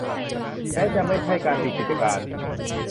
แม้จะไม่ใช่การปิดกิจการ